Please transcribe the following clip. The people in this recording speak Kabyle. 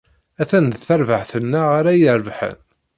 Atan d tarbaɛt-nneɣ ara irebḥen.